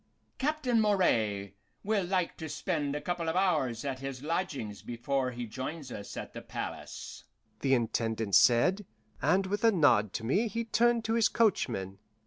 "Captain Moray will like to spend a couple of hours at his lodgings before he joins us at the palace," the Intendant said, and with a nod to me he turned to his coachman.